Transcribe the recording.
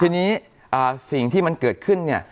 ทีนี้สิ่งที่มันเกิดขึ้นเนี่ย